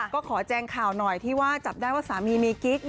ก็ขอแจ้งข่าวหน่อยที่ว่าจับได้ว่าสามีมีกิ๊ก